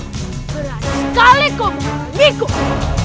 berani sekali kau menghidupiku